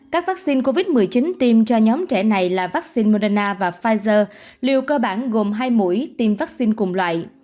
các vaccine covid một mươi chín tiêm cho nhóm trẻ này là vaccine moderna và pfizer đều cơ bản gồm hai mũi tiêm vaccine cùng loại